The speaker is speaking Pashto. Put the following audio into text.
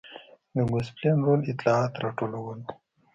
د ګوسپلین رول اطلاعات راټولول و.